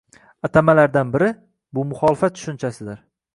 atamalardan biri - bu “muxolifat” tushunchasidir.